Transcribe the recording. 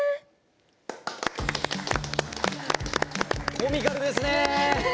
コミカルですね！